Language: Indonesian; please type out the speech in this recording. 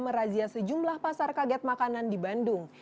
merazia sejumlah pasar kaget makanan di bandung